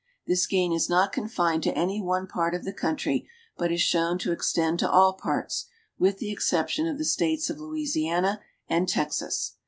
This gain is not confined to any one part of the country, but is shown to extend to all parts, with the exception of the states of Louisiana and Texas.